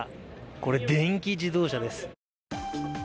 これ、電気自動車です。